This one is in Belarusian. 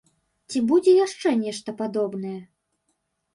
Ці будзе яшчэ нешта падобнае?